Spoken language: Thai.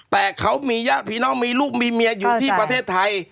แต่เขามีญาติพี่น้องมีลูกมีเมียอยู่ที่ประเทศไทย